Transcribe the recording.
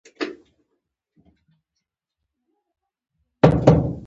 که داسې پایله ولري نو دا یو لوی بریالیتوب دی.